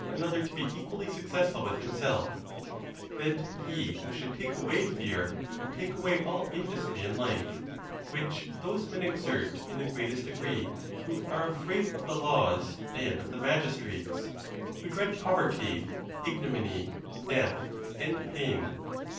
another to be equally successful with himself; that he who should take away fear would take away all industry in life, which those men exert in the greatest degree who are afraid of the laws and of the magistrates, who dread poverty, igno miny, death, and pain.